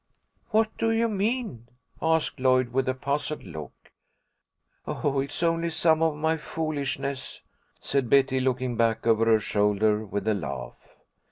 "What do you mean?" asked Lloyd, with a puzzled look. "Oh, it's only some of my foolishness," said Betty, looking back over her shoulder with a laugh.